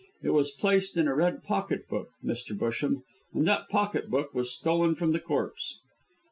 It was placed in a red pocket book, Mr. Busham, and that pocket book was stolen from the corpse."